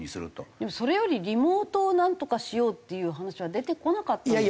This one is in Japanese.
でもそれよりリモートをなんとかしようっていう話は出てこなかったんですか？